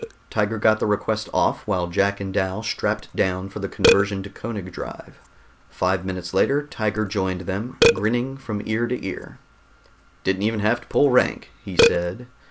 Tiger got the request off while Jack and Dal strapped down for the conversion to Koenig drive. Five minutes later Tiger joined them, grinning from ear to ear. "Didn't even have to pull rank," he said.